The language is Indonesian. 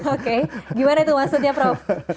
oke gimana itu maksudnya prof